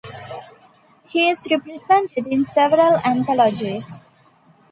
He is represented in several anthologies.